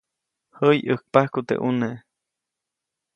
Jäyʼäkpajku teʼ ʼuneʼ.